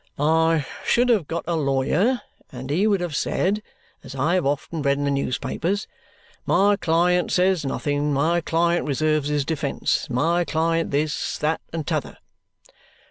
"I should have got a lawyer, and he would have said (as I have often read in the newspapers), 'My client says nothing, my client reserves his defence': my client this, that, and t'other.